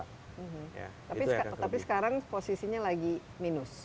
tapi sekarang posisinya lagi minus